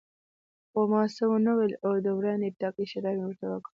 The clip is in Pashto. خو ما څه و نه ویل او د وړاندې تګ اشاره مې ورته وکړه.